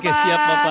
oke siap bapak